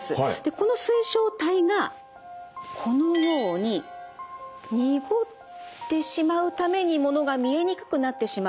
この水晶体がこのように濁ってしまうためにものが見えにくくなってしまう。